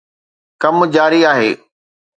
ڪم جاري آهي